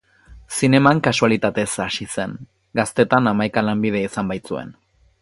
Zineman kasualitatez hasi zen, gaztetan hamaika lanbide izan baitzuen.